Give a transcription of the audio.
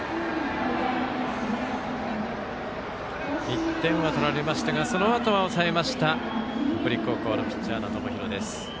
１点は取られましたがそのあとは抑えた北陸高校のピッチャー、友廣。